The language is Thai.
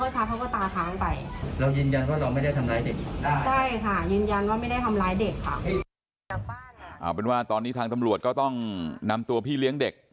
แล้วเสร็จแล้วเขาก็ร้องร้องร้องร้องร้องดังขึ้นขึ้นเรื่อย